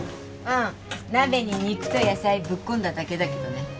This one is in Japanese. うん鍋に肉と野菜ぶっ込んだだけだけどね。